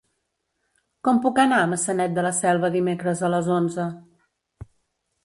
Com puc anar a Maçanet de la Selva dimecres a les onze?